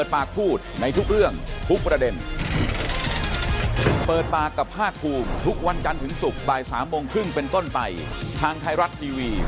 ทุกผู้ชมครับพบกันใหม่พรุ่งนี้บ่ายสามครึ่งครับ